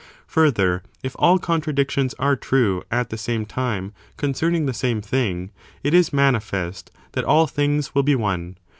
Further, if all contradictions are true at the lo. Ariatotie's same time concerning the same thing, it is mani v^that^thir' fest that all things will be one.